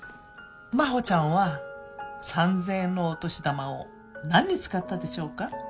真帆ちゃんは三千円のお年玉を何に使ったでしょうか？